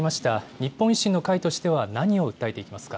日本維新の会としては何を訴えていきますか。